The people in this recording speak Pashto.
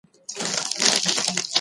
پلارنۍ لارښوونې يې د ژوند بنسټ وګرځېدې.